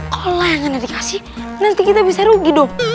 kalau layangannya dikasih nanti kita bisa rugi dong